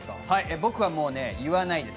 僕はもう言わないです。